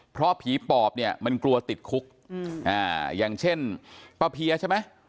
เพราะผีปอบเนี่ยมันกลัวติดคุกอย่างเช่นป้าเพียใช่ไหม